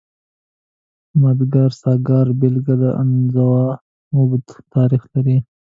د ماداګاسکار بېلګه د انزوا اوږد تاریخ لري.